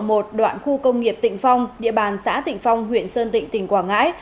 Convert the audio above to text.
đoạn khu công nghiệp tịnh phong địa bàn xã tịnh phong huyện sơn tịnh tỉnh quảng ngãi